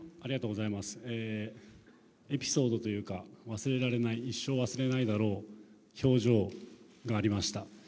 エピソードというか一生忘れられないだろう表情がありました。